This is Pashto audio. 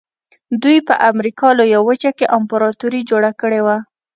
دوی په امریکا لویه وچه کې امپراتوري جوړه کړې وه.